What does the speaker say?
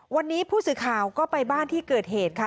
วันนี้ผู้สื่อข่าวก็ไปบ้านที่เกิดเหตุค่ะ